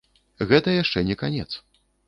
Гэта яшчэ не канец.